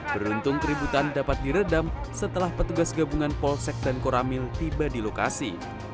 beruntung keributan dapat diredam setelah petugas gabungan polsek dan koramil tiba di lokasi